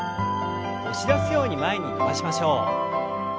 押し出すように前に伸ばしましょう。